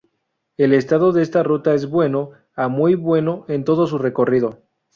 El estado de esta ruta es bueno a muy bueno en todo su recorrido.